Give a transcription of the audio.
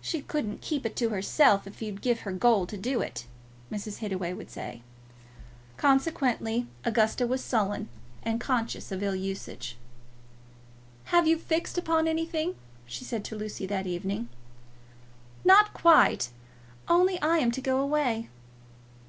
"She couldn't keep it to herself if you'd give her gold to do it," Mrs. Hittaway would say. Consequently Augusta was sullen and conscious of ill usage. "Have you fixed upon anything?" she said to Lucy that evening. "Not quite; only I am to go away."